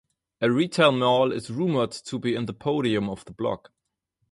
A retail mall is rumoured to be in the podium of the block.